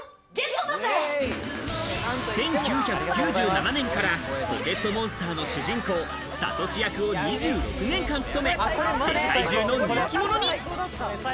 １９９７年から『ポケットモンスター』の主人公サトシ役を２６年間務め、世界中の人気者に。